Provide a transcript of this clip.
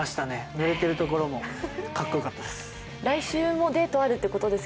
ぬれてるところもかっこよかったです。